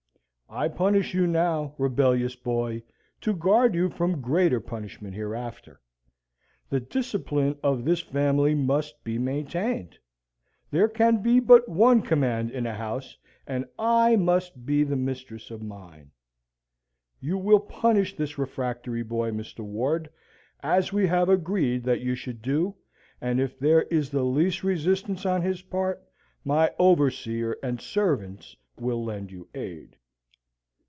I punish you now, rebellious boy, to guard you from greater punishment hereafter. The discipline of this family must be maintained. There can be but one command in a house, and I must be the mistress of mine. You will punish this refractory boy, Mr. Ward, as we have agreed that you should do, and if there is the least resistance on his part, my overseer and servants will lend you aid."